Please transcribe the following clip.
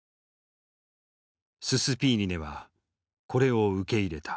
ススピーリネはこれを受け入れた。